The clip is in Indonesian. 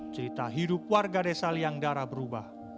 cerita hidup warga desa liangdara berubah